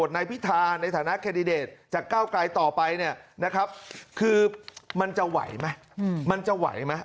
ต่อไปนะครับคือมันจะไหวไหมมันจะไหวไหม